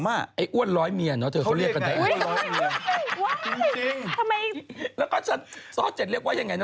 แต่พี่หนุ่มสูงเยอะนี่เนี่ยว่างนี้๙๔ผมว่ะ